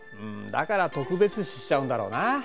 だから特別視しちゃうんだろうな。